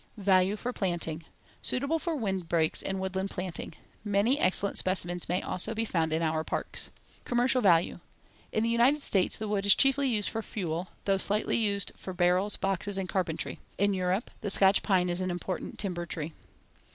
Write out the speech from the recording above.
Value for planting: Suitable for windbreaks and woodland planting. Many excellent specimens may also be found in our parks. Commercial value: In the United States, the wood is chiefly used for fuel, though slightly used for barrels, boxes, and carpentry. In Europe, the Scotch pine is an important timber tree.